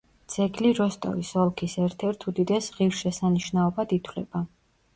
ძეგლი როსტოვის ოლქის ერთ-ერთ უდიდეს ღირსშესანიშნაობად ითვლება.